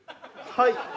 はい！